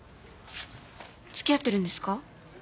付き合ってるんですか？